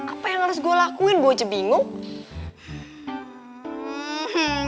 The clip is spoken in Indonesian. apa yang harus gue lakuin gue aja bingung